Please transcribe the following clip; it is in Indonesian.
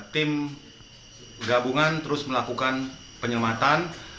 tim gabungan terus melakukan penyelamatan